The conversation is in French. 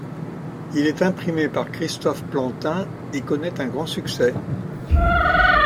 Il est imprimé par Christophe Plantin et connaît un grand succès.